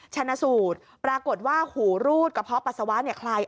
ชนะสูตรปรากฏว่าหูรูดกระเพาะปัสสาวะเนี่ยคลาย